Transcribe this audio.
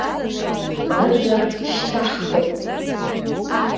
Ажәа шьҭаҳхып.